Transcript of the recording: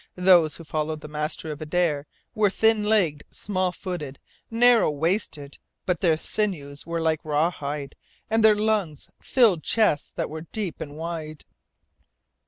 Those who followed the master of Adare were thin legged, small footed, narrow waisted but their sinews were like rawhide, and their lungs filled chests that were deep and wide.